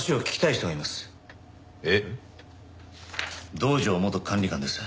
道上元管理官です。